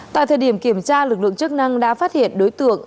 tại thời điểm kiểm tra lực lượng chức năng đã phát hiện đối tượng